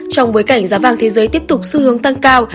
trong bối cảnh giá vàng thế giới tiếp tục xu hướng tăng cao